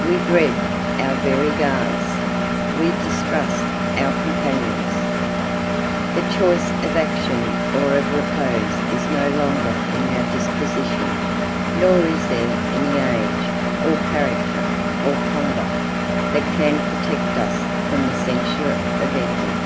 We dread our very guards, we distrust our companions. The choice of action or of repose is no longer in our disposition, nor is there any age, or character, or conduct, that can protect us from the censure of envy.